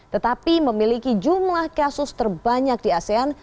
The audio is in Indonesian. tetapi memiliki jumlah kasus terbanyak di asean